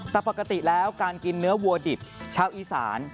แต่ปกติแล้วการกินเนื้อวัวดิบชาวอีสาน